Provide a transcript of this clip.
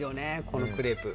このクレープ。